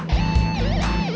sejuk aja dia